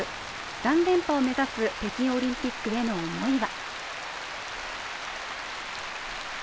３連覇を目指す北京オリンピックへの思いは。